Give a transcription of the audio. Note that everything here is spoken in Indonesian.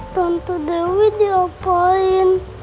tante dewi diapain